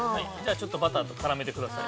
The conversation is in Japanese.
◆ちょっとバターと絡めてください。